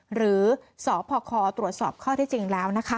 หรือสพคตรวจสอบข้อที่จริงแล้วนะคะ